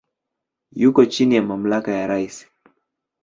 Yuko chini ya mamlaka ya rais.